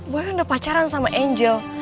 gue kan udah pacaran sama angel